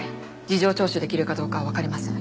事情聴取出来るかどうかはわかりません。